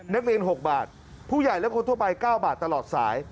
นักเรียน๖บาทผู้ใหญ่และคนทั่วไป๙บาทตลอดสาย